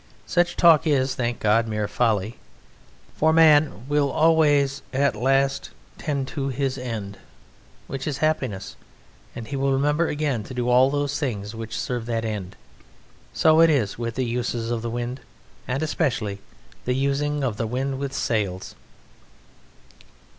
Such talk is (thank God!) mere folly; for man will always at last tend to his end, which is happiness, and he will remember again to do all those things which serve that end. So it is with the uses of the wind, and especially the, using of the wind with sails.